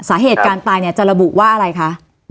สาเหตุการตายเนี่ยจะระบุว่าอะไรคะ